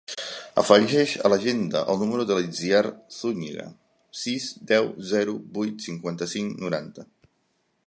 Afegeix a l'agenda el número de l'Itziar Zuñiga: sis, deu, zero, vuit, cinquanta-cinc, noranta.